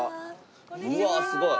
うわーすごい！